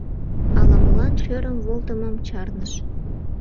Ала-молан шӧрым волтымым чарныш.